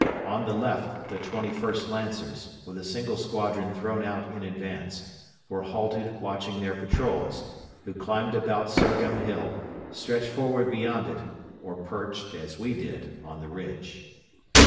On the left the 21st Lancers, with a single squadron thrown out in advance, were halted watching their patrols, who climbed about Surgham Hill, stretched forward beyond it, or perched, as we did, on the ridge.